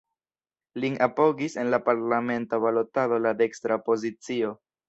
Lin apogis en la parlamenta balotado la dekstra opozicio.